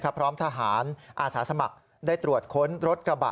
พร้อมทหารอาสาสมัครได้ตรวจค้นรถกระบะ